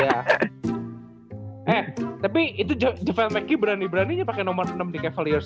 eh tapi itu jevel maggi berani beraninya pake nomor enam di cavaliers